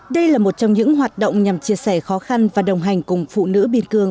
đây là một trong những hoạt động nhằm chia sẻ khó khăn và đồng hành cùng phụ nữ biên cương